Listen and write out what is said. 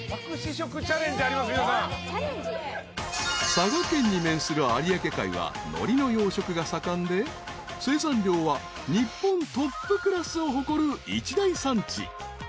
［佐賀県に面する有明海はのりの養殖が盛んで生産量は日本トップクラスを誇る一大産地］